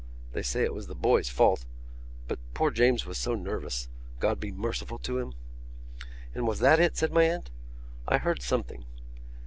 They say it was the boy's fault. But poor James was so nervous, God be merciful to him!" "And was that it?" said my aunt. "I heard something...."